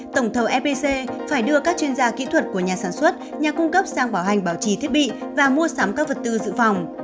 tổng thầu epc phải đưa các chuyên gia kỹ thuật của nhà sản xuất nhà cung cấp sang bảo hành bảo trì thiết bị và mua sắm các vật tư dự phòng